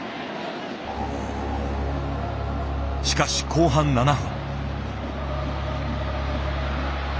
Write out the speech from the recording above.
しかし後半７分。